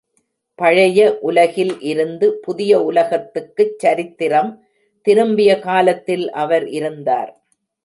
பழைய உலகில் இருந்து புதிய உலகத்துக்குச் சரித்திரம் திரும்பிய காலத்தில் அவர் இருந்தார்.